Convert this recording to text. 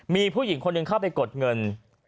มีผู้หญิงคนหนึ่งเข้าไปกดเงิน